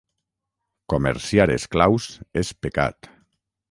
Comerciar esclaus és pecat.